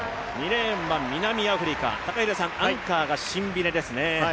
２レーンは南アフリカ、アンカーがシンビネですね。